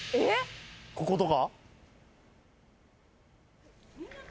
こことか。